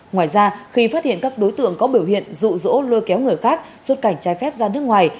ngoài ra khi phát hiện các đối tượng có biểu hiện rụ rỗ lôi kéo người khác xuất cảnh trái phép ra nước ngoài